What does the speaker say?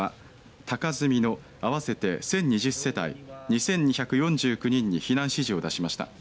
高住の合わせて１０２０世帯２２４９人に避難指示を出しました。